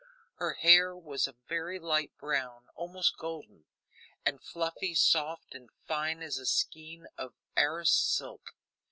Her hair was a very light brown, almost golden, and fluffy, soft, and fine as a skein of Arras silk.